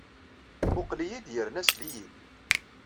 Mmuqqel-iyi-d yerna sel-iyi-d.